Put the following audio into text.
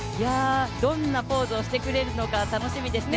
どんなポーズをしてくれるのか楽しみですね。